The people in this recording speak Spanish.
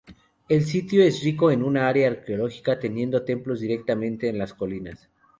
El sitio es rico en un área arqueológica teniendo templos directamente en las colinas.